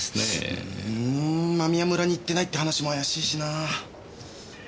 うん間宮村に行ってないって話もあやしいしなぁ。